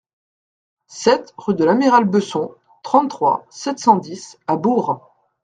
sept rue de l'Amiral Besson, trente-trois, sept cent dix à Bourg